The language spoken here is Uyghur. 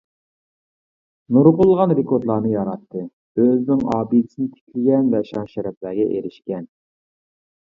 نۇرغۇنلىغان رېكورتلارنى ياراتتى، ئۆزىنىڭ ئابىدىسىنى تىكلىگەن ۋە شان-شەرەپلەرگە ئېرىشكەن.